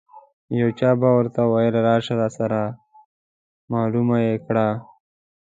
یو چا به ورته ویل راشه راسره معلومه یې کړه.